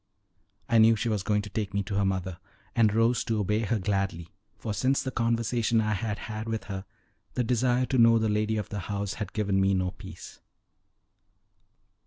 I knew she was going to take me to her mother, and rose to obey her gladly, for since the conversation I had had with her the desire to know the lady of the house had given me no peace.